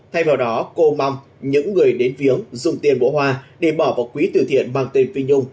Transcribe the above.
thay vào đó cô mong những người đến phiếng dùng tiền bổ hoa để bỏ vào quý tiêu thiện bằng tên phi nhung